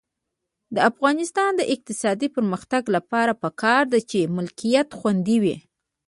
د افغانستان د اقتصادي پرمختګ لپاره پکار ده چې ملکیت خوندي وي.